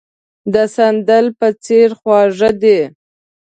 د سندل په څېر خواږه دي.